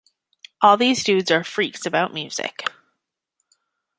All these dudes are freaks about music.